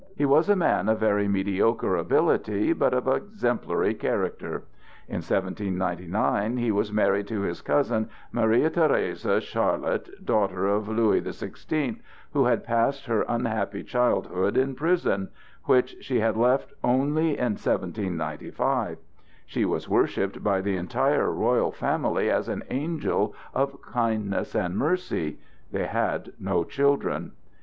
He was a man of very mediocre ability, but of exemplary character. In 1799 he was married to his cousin Marie Thérèse Charlotte, daughter of Louis the Sixteenth, who had passed her unhappy childhood in prison, which she had left only in 1795. She was worshipped by the entire royal family as an angel of kindness and mercy. They had no children.